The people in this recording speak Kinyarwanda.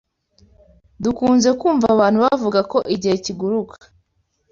Dukunze kumva abantu bavuga ko igihe kiguruka.